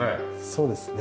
そうですね。